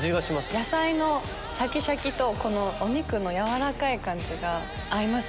野菜のシャキシャキとお肉の軟らかい感じが合います。